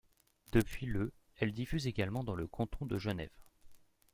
Depuis le elle diffuse également dans le canton de Genève.